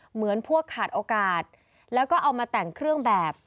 เหมือนพวกขาดโอกาสแล้วก็เอามาแต่งเครื่องแบบ